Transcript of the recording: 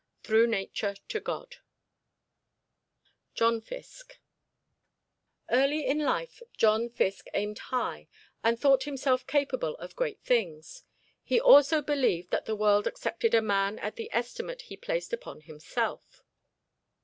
"Through Nature to God" JOHN FISKE Early in life John Fiske aimed high and thought himself capable of great things. He also believed that the world accepted a man at the estimate he placed upon himself.